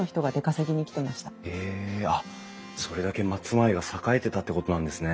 へえあっそれだけ松前が栄えてたってことなんですね。